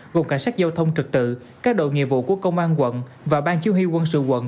gồm cảnh sát giao thông trật tự các đội nghiệp vụ của công an quận và ban chỉ huy quân sự quận